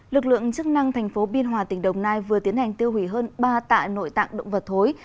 lực lượng chức năng thành phố biên hòa tỉnh đồng nai vừa tiến hành tiêu hủy hơn ba tạ nội tạng động vật thối